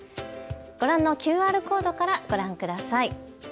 ご覧のＱＲコードからご覧ください。